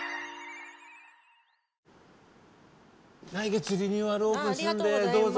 来月リニューアルオープンするんでどうぞ。